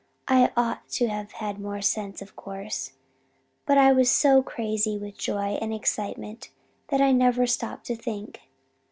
I ought to have had more sense, of course. But I was so crazy with joy and excitement that I never stopped to think.